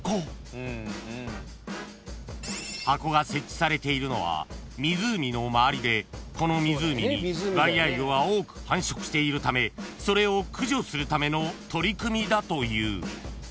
［箱が設置されているのは湖の周りでこの湖に外来魚が多く繁殖しているためそれを駆除するための取り組みだという］